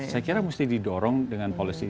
saya kira mesti didorong dengan policy